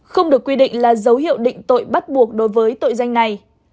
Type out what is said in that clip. không được quy định là dấu hiệu định tội bắt buộc đối với tội danh này